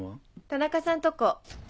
田中さんとこ。